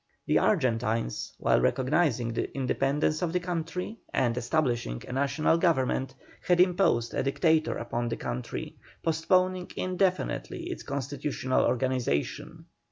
The Argentines, while recognizing the independence of the country and establishing a national government, had imposed a dictator upon the country, postponing indefinitely its constitutional organization.